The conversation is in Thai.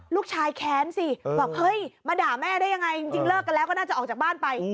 แค้นสิบอกเฮ้ยมาด่าแม่ได้ยังไงจริงเลิกกันแล้วก็น่าจะออกจากบ้านไป